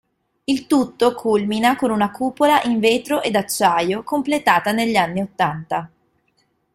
Il tutto culmina con una cupola in vetro ed acciaio, completata negli anni ottanta.